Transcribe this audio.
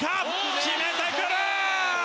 決めてくる！